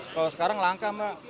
kalau sekarang langka mbak